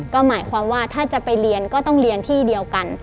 ก็หมายความว่าถ้าจะไปเรียนก็ต้องเรียนที่เดียวกัน